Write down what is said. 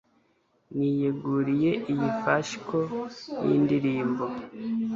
niyeguriye iyi fashicle yindirimbo